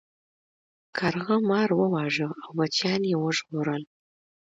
کارغه مار وواژه او بچیان یې وژغورل.